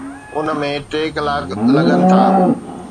ان ۾ ٽي ڪلاڪ لڳن ٿا.